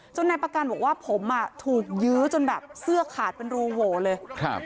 นายประกันบอกว่าผมอ่ะถูกยื้อจนแบบเสื้อขาดเป็นรูโหวเลยครับ